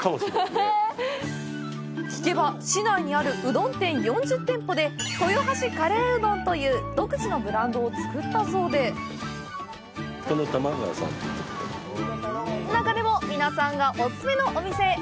聞けば、市内にあるうどん店４０店舗で「豊橋カレーうどん」という独自のブランドを作ったそうで中でも皆さんがお勧めのお店へ！